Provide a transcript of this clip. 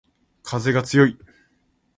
かぜがつよい